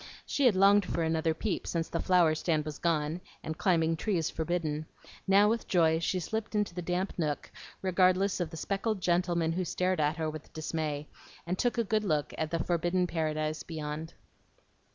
She had longed for another peep since the flower stand was gone, and climbing trees forbidden; now with joy she slipped into the damp nook, regardless of the speckled gentlemen who stared at her with dismay, and took a good look at the forbidden paradise beyond.